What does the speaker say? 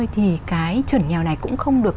thì cái chuẩn nghèo này cũng không được